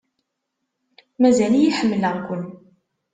Mazal-iyi ḥemmleɣ-ken.